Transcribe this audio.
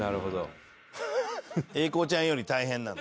英孝ちゃんより大変なんだ。